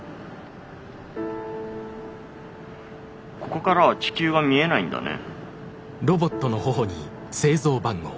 ここからは地球は見えないんだね。